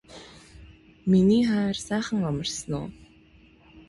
миний хайр сайхан амарсан уу